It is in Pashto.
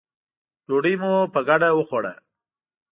ډوډۍ مو په ګډه وخوړه.